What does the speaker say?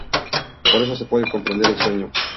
Por eso se puede comprender el sueño.